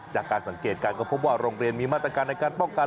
จากการสังเกตการก็พบว่าโรงเรียนมีมาตรการในการป้องกัน